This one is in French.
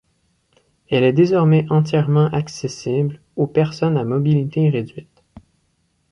Elle est désormais entièrement accessible aux personnes à mobilité réduite.